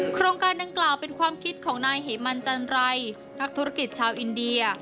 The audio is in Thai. โครงการดังกล่าวเป็นความคิดของนายเหมันจันไรนักธุรกิจชาวอินเดีย